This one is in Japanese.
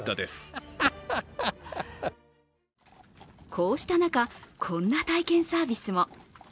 こうした中、こんな体験サービスも。